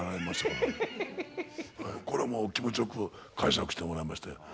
これはもう気持ちよく介錯してもらいましたよ。